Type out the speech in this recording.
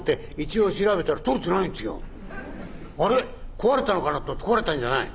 壊れたのかな？」と思ったら壊れたんじゃない。